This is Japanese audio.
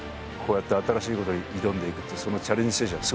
こうやって新しいことに挑んでいくってそのチャレンジ